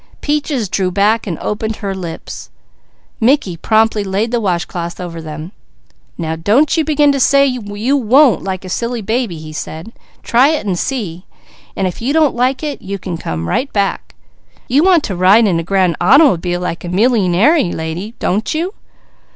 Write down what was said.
Peaches drew back and opened her lips. Mickey promptly laid the washcloth over them. "Now don't begin to say you 'won't' like a silly baby," he said. "Try it and see, then if you don't like it, you can come right back. You want to ride in a grand automobile like a millyingaire lady, don't you?